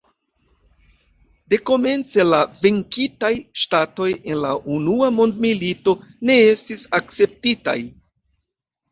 Dekomence la venkitaj ŝtatoj en la Unua Mondmilito ne estis akceptitaj.